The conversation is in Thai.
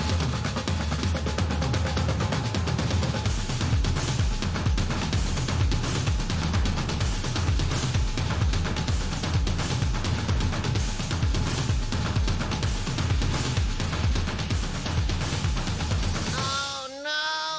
โอ้เนอะ